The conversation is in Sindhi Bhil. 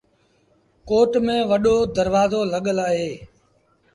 ڪوٽ ميݩ وڏو دروآزو لڳل اهي۔